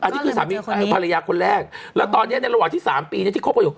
อันนี้คือสามีภรรยาคนแรกแล้วตอนนี้ในระหว่างที่๓ปีเนี่ยที่คบกันอยู่